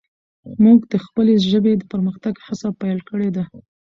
موږ د خپلې ژبې د پرمختګ هڅه پیل کړي ده.